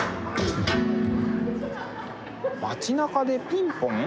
街なかでピンポン？